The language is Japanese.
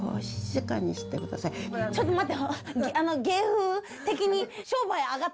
ちょっと待って。